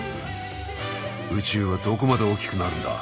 宇宙はどこまで大きくなるんだ？